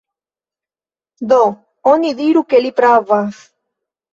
Nu, mi diru ke li pravas.